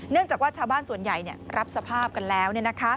จากว่าชาวบ้านส่วนใหญ่รับสภาพกันแล้ว